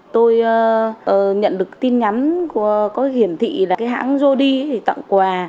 tôi nhận được tin nhắn có hiển thị là hãng jody tặng quà